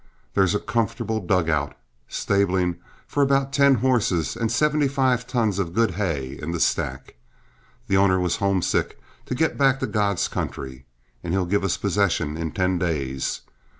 "There's a comfortable dugout, stabling for about ten horses, and seventy five tons of good hay in the stack. The owner was homesick to get back to God's country, and he'll give us possession in ten days.